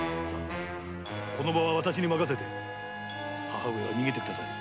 この場は私に任せて母上は逃げて下さい。